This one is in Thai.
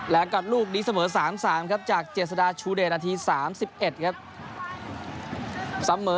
แล้วก็ลูกนี้เสมอ๓๓ครับจากเจษฎาชูเดชนาที๓๑ครับเสมอ